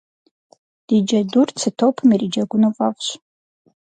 Ди джэдур цы топым ириджэгуну фӏэфӏщ.